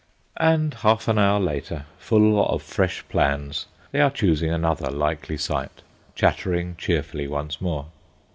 And half an hour later, full of fresh plans, they are choosing another likely site, chattering cheerfully once more.